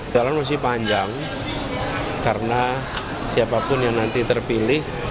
jalan masih panjang karena siapapun yang nanti terpilih